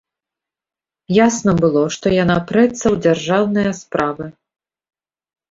Ясна было, што яна прэцца ў дзяржаўныя справы.